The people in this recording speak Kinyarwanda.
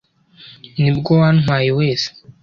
ni bwo wantwaye wese!